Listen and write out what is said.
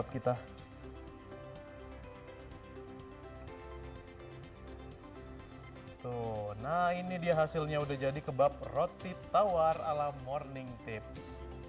tuh nah ini dia hasilnya udah jadi kebab roti tawar ala morning tips